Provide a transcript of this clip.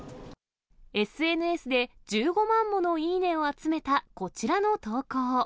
ＳＮＳで１５万ものいいねを集めたこちらの投稿。